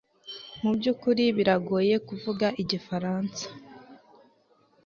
mu byukuri biragoye kuvuga igifaransa